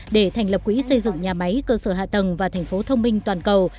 để thành lập quỹ xây dựng nhà máy cơ sở hạ tầng và thành phố thông minh toàn cầu